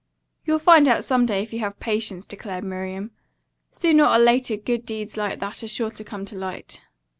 "You'll find out some day if you have patience," declared Miriam. "Sooner or later good deeds like that are sure to come to light."